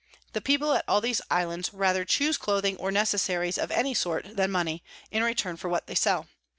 The People at all these Islands rather chuse Clothing or Necessaries of any sort than Mony, in return for what they sell.